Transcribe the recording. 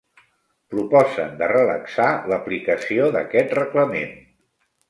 Proposen de relaxar l'aplicació d'aquest reglament.